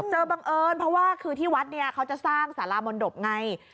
บังเอิญเพราะว่าคือที่วัดเนี่ยเขาจะสร้างสารามนตบไง